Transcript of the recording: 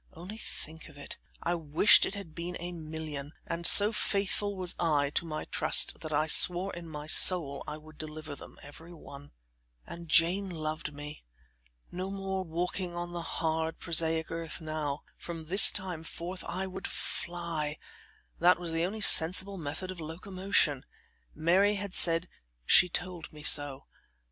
Only think of it! I wished it had been a million, and so faithful was I to my trust that I swore in my soul I would deliver them, every one. And Jane loved me! No more walking on the hard, prosaic earth now; from this time forth I would fly; that was the only sensible method of locomotion. Mary had said: "She told me so."